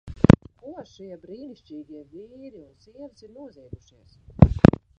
Ko šie brīnišķīgie vīri un sievas ir noziegušies?